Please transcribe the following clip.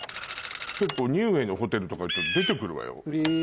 結構「ニウエのホテル」とかやると出て来るわよ。